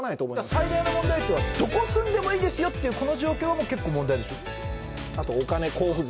最大の問題は、どこ住んでもいいですよっていう、この状況はあと、お金、交付税。